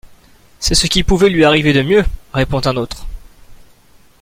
C'est ce qui pouvait lui arriver de mieux, répond un autre.